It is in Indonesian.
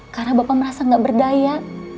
karena bapak merasa gak berdaya